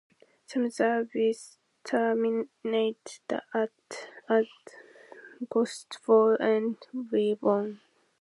Some services terminate at Gosford and Wyong.